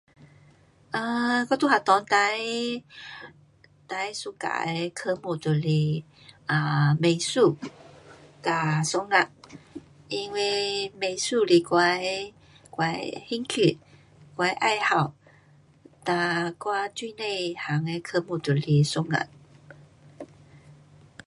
um 我在学校最最 suka 的科目就是啊美术跟数学因为美术是我的我的兴趣。我的爱好。da 我最内涵的科目就是数学。